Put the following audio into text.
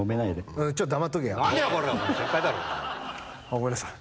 ごめんなさい。